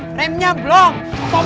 prem nya belum